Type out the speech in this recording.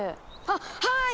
あっはい！